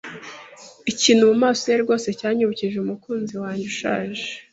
Ikintu mumaso ye rwose cyanyibukije umukunzi wanjye ushaje.